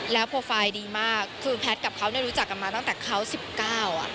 โปรไฟล์ดีมากคือแพทย์กับเขาเนี่ยรู้จักกันมาตั้งแต่เขา๑๙อ่ะ